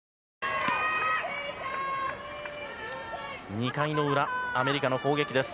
２回の裏アメリカの攻撃です。